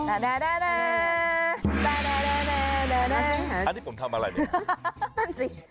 อันนี้ผมทำอะไรเนี่ย